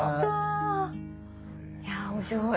いや面白い。